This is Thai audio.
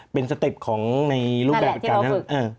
เป็นสเต็ปของในรูปแบบอากาศนั้น